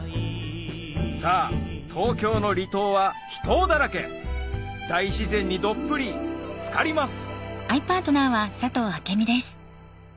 さぁ東京の離島は秘湯だらけ大自然にどっぷりつかります